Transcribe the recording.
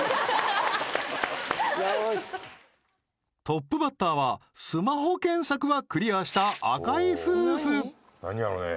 トップバッターはスマホ検索はクリアした赤井夫婦何やろね？